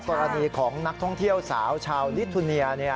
กรณีของนักท่องเที่ยวสาวชาวลิทูเนีย